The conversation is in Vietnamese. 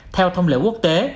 theo thông liệu quốc tế